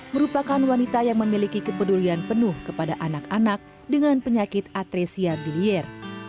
merupakan wanita yang memiliki kepedulian penuh kepada anak anak dengan penyakit atresia bilier